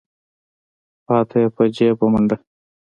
پاتې يې په جېب ومنډه.